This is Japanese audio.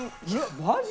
マジ？